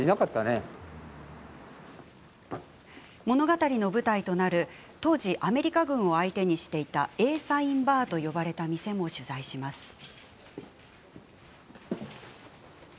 物語の舞台となる当時、アメリカ軍を相手にしていたＡサインバーと呼ばれた店も取材します。